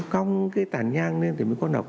cái tàn nhang lên thì mới có nọc